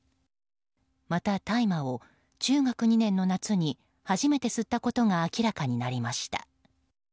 また大麻を中学２年の夏に初めて吸ったことが明らかになりました。